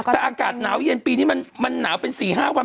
แต่อากาศหนาวเย็นปีนี้มันมันหนาวเป็นสี่ห้าวัน